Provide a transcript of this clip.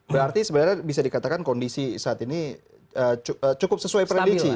berarti sebenarnya bisa dikatakan kondisi saat ini cukup sesuai prediksi